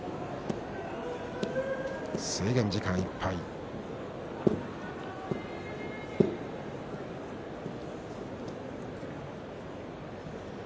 制限時間いっぱいです。